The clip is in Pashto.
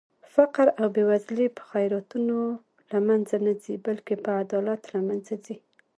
فقر او بې وزلي په خيراتونو لمنخه نه ځي بلکې په عدالت لمنځه ځي